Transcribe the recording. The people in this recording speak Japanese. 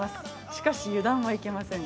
しかし、油断はいけません。